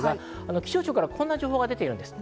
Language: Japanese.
気象庁からこんな情報が出ています。